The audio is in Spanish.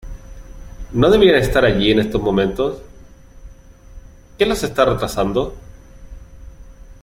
¿ No deberían estar allí en estos momentos? ¿ qué los está retrasando ?